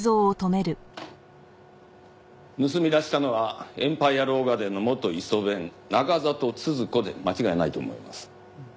盗み出したのはエンパイヤ・ロー・ガーデンの元イソ弁中郷都々子で間違いないと思います。